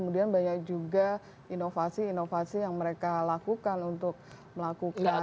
dan banyak juga inovasi inovasi yang mereka lakukan untuk melakukan pelayanan